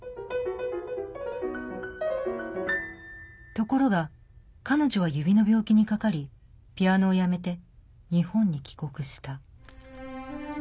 ところが彼女は指の病気にかかりピアノをやめて日本に帰国した。